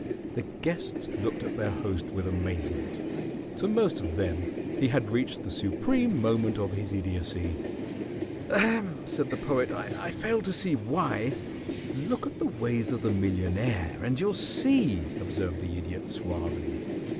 The guests looked at their host with amazement. To most of them he had reached the supreme moment of his idiocy. "Ahem!" said the Poet. "I fail to see why." "Look at the ways of the millionaire and you'll see," observed the Idiot, suavely.